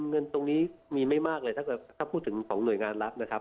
เงินตรงนี้มีไม่มากเลยถ้าพูดถึงของหน่วยงานรัฐนะครับ